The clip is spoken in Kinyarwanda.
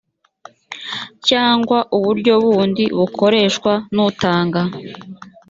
cyangwa uburyo bundi bukoreshwa n utanga